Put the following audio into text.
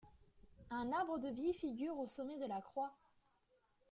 Un arbre de Vie figure au sommet de la croix.